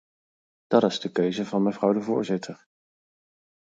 Dat is de keuze van mevrouw de voorzitter.